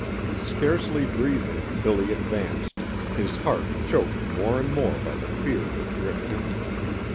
Scarcely breathing, Billy advanced, his heart choked more and more by the fear that gripped him.